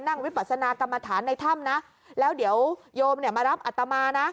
วิปัสนากรรมฐานในถ้ำนะแล้วเดี๋ยวโยมเนี่ยมารับอัตมานะ